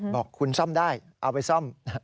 บอกคุณซ่อมได้เอาไปซ่อม